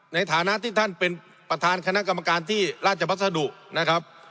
ในฐานะที่ท่านเป็นประธานคณะกรรมการที่ราชบัสดุนะครับ